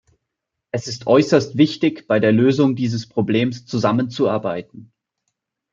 Es ist äußerst wichtig, bei der Lösung dieses Problems zusammenzuarbeiten.